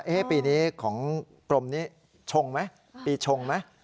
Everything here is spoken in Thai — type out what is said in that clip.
ปีนี้ของกรมนี้ชงไหมปีชงไหม